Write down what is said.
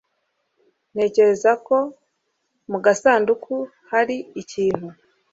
Ntekereza ko mu gasanduku hari ikintu.